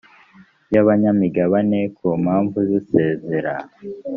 y abanyamigabane ku mpamvu z isezera